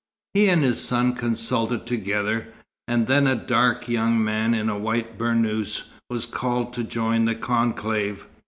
He and his son consulted together, and then a dark young man in a white burnous was called to join the conclave.